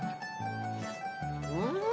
うん！